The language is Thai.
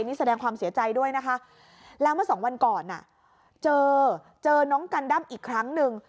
นี่แสดงความเสียใจด้วยนะคะแล้วเมื่อสองวันก่อนเจอเจอน้องกันด้ำอีกครั้งหนึ่ง